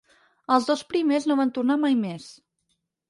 Els dos primers no van tornar mai més.